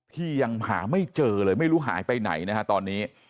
ที่ยังหาไม่เจอเลยไม่รู้หายไปไหนนะฮะตอนนี้